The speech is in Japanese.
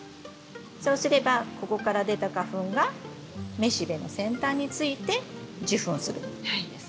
そうすればここから出た花粉が雌しべの先端について受粉するんです。